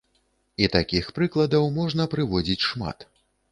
І такіх прыкладаў можна прыводзіць шмат.